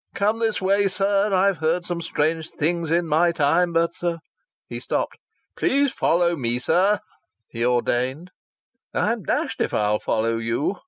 Come this way, sir. I've heard some strange things in my time, but " He stopped. "Please follow me, sir," he ordained. "I'm dashed if I'll follow you!"